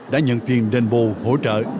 đã nhận tiền đền bồ hỗ trợ